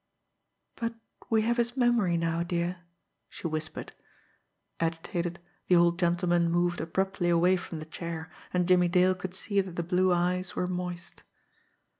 "But we have his memory now, dear," she whispered. Agitated, the old gentleman moved abruptly away from the chair, and Jimmie Dale could see that the blue eyes were moist.